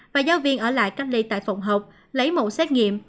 và giáo viên ở lại cách ly tại phòng học lấy mẫu xét nghiệm